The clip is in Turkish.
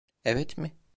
Evet mi?